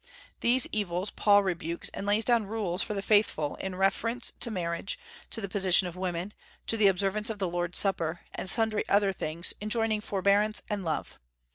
These evils Paul rebukes, and lays down rules for the faithful in reference to marriage, to the position of women, to the observance of the Lord's Supper, and sundry other things, enjoining forbearance and love.